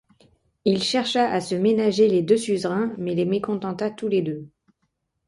Il chercha à se ménager les deux suzerains mais les mécontenta tous les deux.